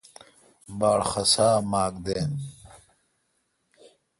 باڑ خسا اے ماک دین۔